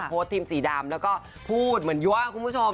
โพสต์ทีมสีดำแล้วก็พูดเหมือนเยอะคุณผู้ชม